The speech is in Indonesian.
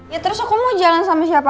ya terus aku mau jalan sama siapa